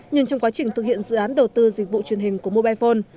nhưng trong quá trình thực hiện dự án đầu tư dịch vụ truyền hình của mobile phone